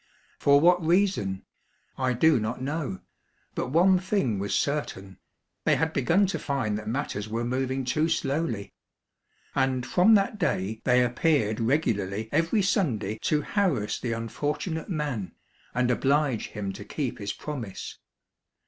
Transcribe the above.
For what reason? I do not know. But one thing was certain : they had begun to find that matters were moving too slowly ; and from that day they appeared regularly every Sunday to harass the unfortunate man, and oblige him to keep his promise.